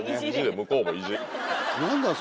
向こうも意地。